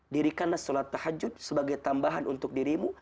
dirikanlah sholat tahajud sebagai tambahan untuk dirimu